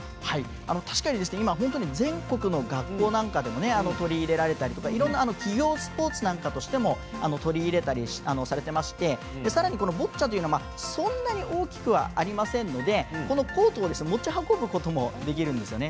確かに全国の学校なんかでも取り入れられたりとかいろんな企業スポーツとしても取り入れたりされていましてさらにボッチャというのはそんなに大きくはありませんのでコートを持ち運ぶこともできるんですよね。